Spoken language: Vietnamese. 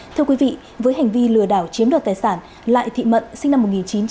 thưa quý vị với hành vi lừa đảo chiếm đoạt tài sản lại thị mận sinh năm một nghìn chín trăm tám mươi